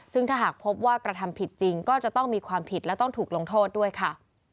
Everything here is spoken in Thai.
ซึ่งถ้าหากพบว่ากระทำผิดจริงก็จะต้องมีความผิดและต้องถูกลงโทษด้วยค่ะ